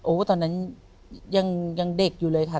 ตอนนั้นยังเด็กอยู่เลยค่ะ